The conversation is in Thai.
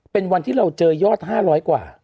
เป็นวันที่เราเจอยอด๕๐๐กว่า